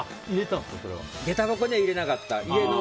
げた箱には入れなかった。